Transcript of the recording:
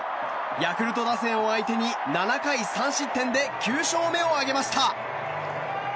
ヤクルト打線を相手に７回３失点で９勝目を挙げました。